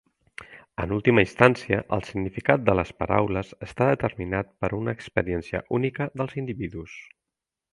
En última instància, el significat de les paraules està determinat per una experiència única dels individus.